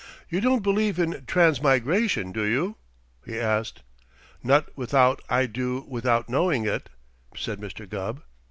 "You don't believe in transmigration, do you?" he asked. "Not without I do without knowing it," said Mr. Gubb.